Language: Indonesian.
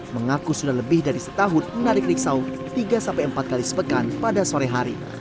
mengaku sudah lebih dari setahun menarik riksau tiga empat kali sepekan pada sore hari